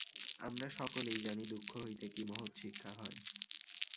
আমরা সকলেই জানি, দুঃখ হইতে কি মহৎ শিক্ষা হয়।